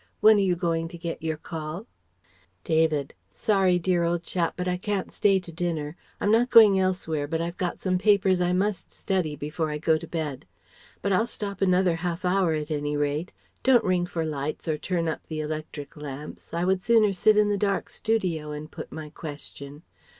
When are you going to get your call?" David: "Sorry, dear old chap, but I can't stay to dinner. I'm not going anywhere else but I've got some papers I must study before I go to bed. But I'll stop another half hour at any rate. Don't ring for lights or turn up the electric lamps. I would sooner sit in the dark studio and put my question.